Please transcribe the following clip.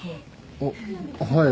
あっはい。